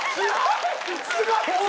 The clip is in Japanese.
すごい！